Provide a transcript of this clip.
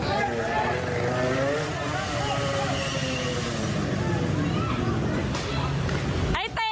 เฮ้ยเฮ้ยเฮ้ย